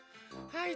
はい。